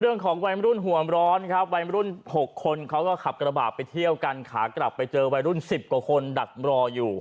เรื่องของวัยมรุ่นหัวมร้อนครับวัยรุ่น๖คนเขาก็ขับกระบาดไปเที่ยวกันขากลับไปเจอวัยรุ่น๑๐กว่าคนดักรออยู่